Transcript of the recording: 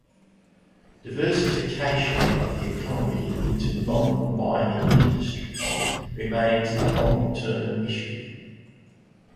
Diversification of the economy into non-mining industries remains a long-term issue.